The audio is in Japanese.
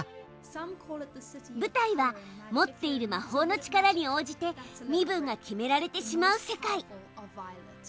ぶたいは持っているま法の力に応じて身分が決められてしまう世界。